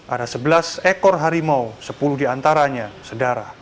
ada sebelas ekor harimau sepuluh diantaranya sedara